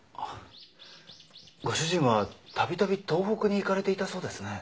ご主人はたびたび東北に行かれていたそうですね？